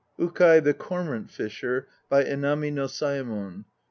127 UKAI (THE CORMORANT FISHER) By ENAMI NO SAYEMON (c.